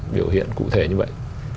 biểu hiện cụ thể như vậy